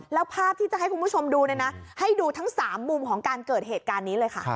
แล้วภาพที่จะให้คุณผู้ชมดูเนี่ยนะให้ดูทั้ง๓มุมของการเกิดเหตุการณ์นี้เลยค่ะ